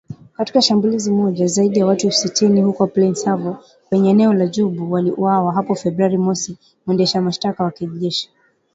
Katika shambulizi moja, zaidi ya watu sitini huko Plaine Savo kwenye eneo la Djubu waliuawa hapo Februari mosi mwendesha mashtaka wa kijeshi